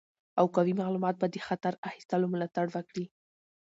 او قوي معلومات به د خطر اخیستلو ملاتړ وکړي.